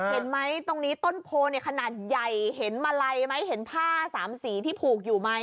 เห็นไหมตรงนี้ต้นโพเนี่ยขนาดใหญ่เห็นมาลัยไหมเห็นผ้าสามสีที่ผูกอยู่ไหม